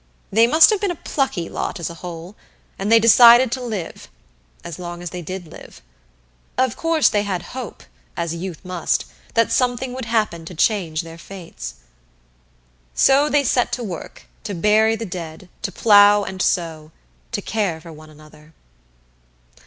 They must have been a plucky lot, as a whole, and they decided to live as long as they did live. Of course they had hope, as youth must, that something would happen to change their fate. So they set to work, to bury the dead, to plow and sow, to care for one another.